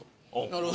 なるほど。